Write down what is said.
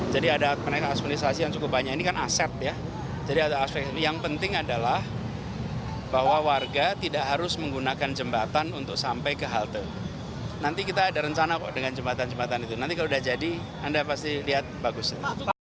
jembatan penyeberangan orang yang sudah ada tidak dirembuhkan